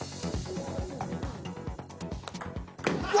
うわ！